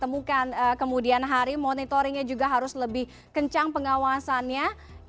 temukan kemudian hari monitoringnya juga harus lebih kencang pengawasannya